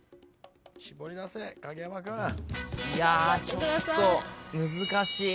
ちょっと難しい。